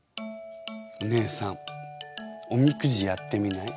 お姉さんおみくじやってみない？